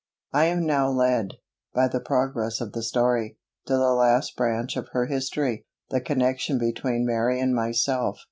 I am now led, by the progress of the story, to the last branch of her history, the connection between Mary and myself.